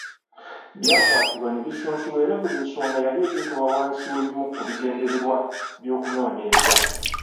Byakwatibwa ne bisunsulwa era buli nsonga yali eteekebwa wansi w’ebimu ku bigendererwa by’okunoonyereza.